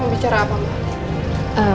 mau bicara apa